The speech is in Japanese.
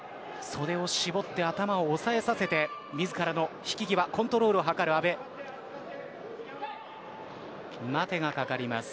袖を絞って、頭を押さえさせて自らの引き際コントロールを図る阿部です。